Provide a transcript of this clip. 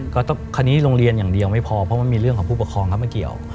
ก็คราวนี้โรงเรียนอย่างเดียวไม่พอเพราะมันมีเรื่องของผู้ปกครองเขาไม่เกี่ยว